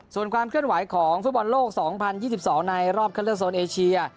ส่วนความเคลื่อนไหวของฟุตบอลโลก๒๐๒๒ในรอบคันเลือกโซนเอเชีย